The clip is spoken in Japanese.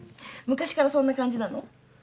昔からそんな感じなの？